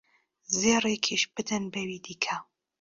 زێڕێکیش بدەن بەوی دیکە